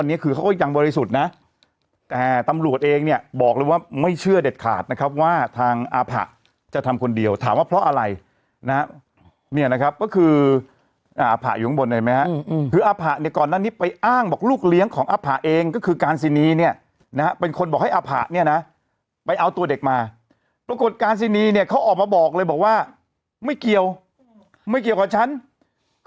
ในสุดนะแต่ตำรวจเองเนี่ยบอกเลยว่าไม่เชื่อเด็ดขาดนะครับว่าทางอาผะจะทำคนเดียวถามว่าเพราะอะไรนะเนี่ยนะครับก็คืออาผะอยู่ข้างบนเห็นไหมฮะอืมอืมคืออาผะเนี่ยก่อนหน้านี้ไปอ้างบอกลูกเลี้ยงของอาผะเองก็คือการสินีเนี่ยนะฮะเป็นคนบอกให้อาผะเนี่ยนะไปเอาตัวเด็กมาปรากฏการสินีเนี่ยเขาออก